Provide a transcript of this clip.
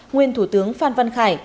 nguyên thủ tướng phan văn khải